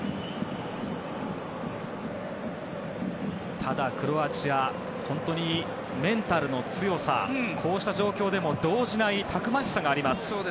ただ、クロアチアは本当にメンタルの強さこうした状況でも動じないたくましさがあります。